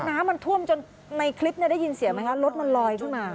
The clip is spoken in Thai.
น้ำมันท่วมจนในคลิปได้ยินเสียงไหมคะรถมันลอยขึ้นมา